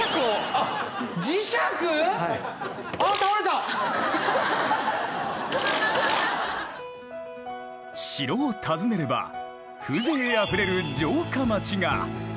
あっ磁石⁉城を訪ねれば風情あふれる城下町が。